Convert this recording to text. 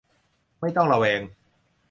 ไม่ต้องระแวง